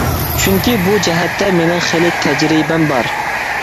چۈنكى بۇ جەھەتتە مېنىڭ خېلى تەجرىبەم بار.